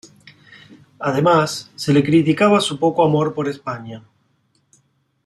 Además, se le criticaba su poco amor por España.